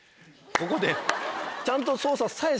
ここで。